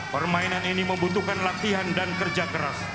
permainan ini membutuhkan latihan dan kerja keras